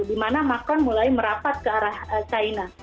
dimana macron mulai merapat ke arah china